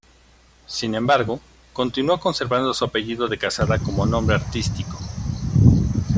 Sin embargo, continuó conservando su apellido de casada como nombre artístico.